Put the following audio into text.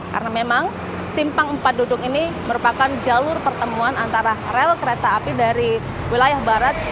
karena memang simpang empat duduk ini merupakan jalur pertemuan antara rel kereta api dari wilayah barat